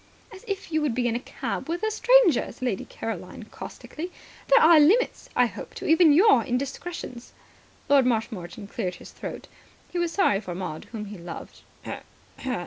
"As if you would be in a cab with a stranger," said Lady Caroline caustically. "There are limits, I hope, to even your indiscretions." Lord Marshmoreton cleared his throat. He was sorry for Maud, whom he loved.